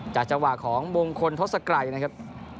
จังหวะของมงคลทศกรัยนะครับ